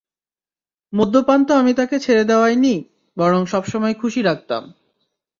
মদ্যপান তো আমি তাকে ছেড়ে দেওয়াই নি, এবং সবসময়ই খুশি রাখতাম।